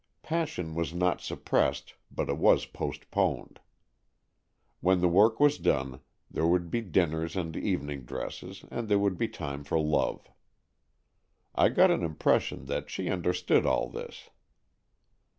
Passion was not sup pressed, but it was postponed. When the work was done, there would be dinners and evening dresses, and there would be time for love. I got an impression that she under stood all this.